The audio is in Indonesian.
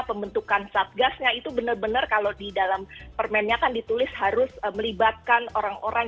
pembentukan satgasnya itu benar benar kalau di dalam permennya kan ditulis harus melibatkan orang orang